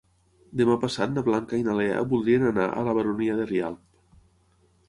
Demà passat na Blanca i na Lea voldrien anar a la Baronia de Rialb.